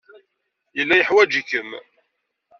Yella yeḥwaj-ikem.